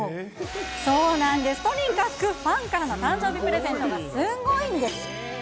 そうなんです、とにかくファンからの誕生日プレゼントがすごいんです。